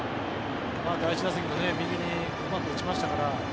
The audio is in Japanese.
第１打席も右にうまく打ちましたから。